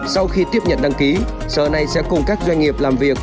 sau khi tiếp nhận đăng ký sở này sẽ cùng các doanh nghiệp làm việc